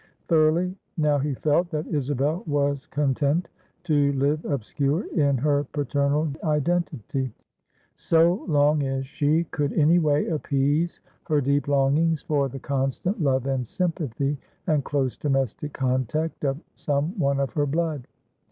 Thoroughly, now he felt, that Isabel was content to live obscure in her paternal identity, so long as she could any way appease her deep longings for the constant love and sympathy and close domestic contact of some one of her blood.